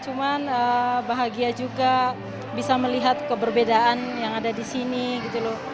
cuman bahagia juga bisa melihat keberbedaan yang ada di sini gitu loh